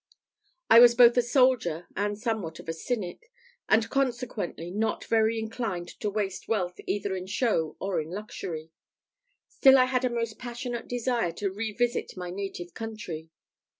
I was both a soldier and somewhat of a cynic, and consequently not very much inclined to waste wealth either in show or in luxury. Still I had a most passionate desire to revisit my native country.